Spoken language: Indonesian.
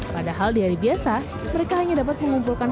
padahal di hari biasa mereka hanya dapat mengumpulkan